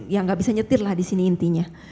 yang gak bisa nyetir lah disini intinya